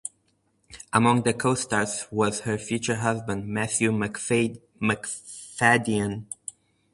Among the co-stars was her future husband Matthew Macfadyen.